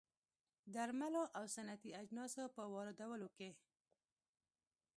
درملو او صنعتي اجناسو په واردولو کې